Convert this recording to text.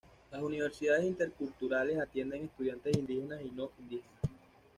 Las Universidades Interculturales atienden estudiantes indígenas y no indígenas.